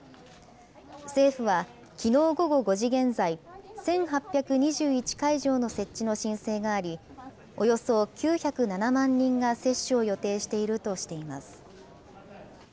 政府はきのう午後５時現在、１８２１会場の設置の申請があり、およそ９０７万人が接種を予定しているとしています。